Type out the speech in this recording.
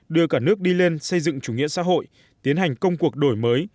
đưa cả nước đi lên xây dựng chủ nghĩa xã hội tiến hành công cuộc đổi mới